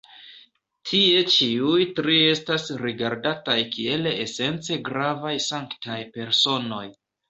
Tie ĉiuj tri estas rigardataj kiel esence gravaj sanktaj personoj.